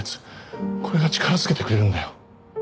これが力づけてくれるんだよ。